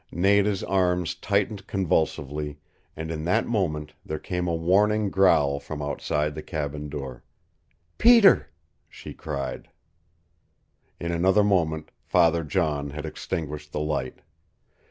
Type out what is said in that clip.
Nada's arms tightened convulsively, and in that moment there came a warning growl from outside the cabin door. "Peter!" she cried. In another moment Father John had extinguished the light.